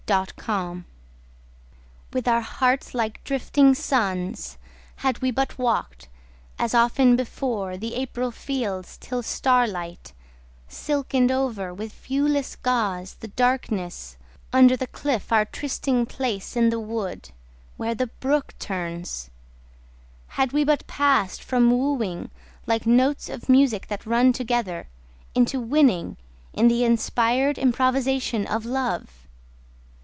Caroline Branson With our hearts like drifting suns, had we but walked, As often before, the April fields till star light Silkened over with viewless gauze the darkness Under the cliff, our trysting place in the wood, Where the brook turns! Had we but passed from wooing Like notes of music that run together, into winning, In the inspired improvisation of love!